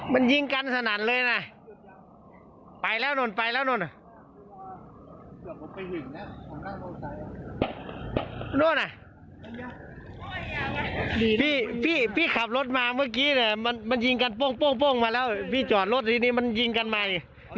พี่ผู้มาที่รอเดียวก่อนหลายคนพวกมันมาจับจับจ่าย